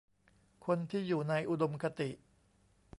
คนที่อยู่ในอุดมคติ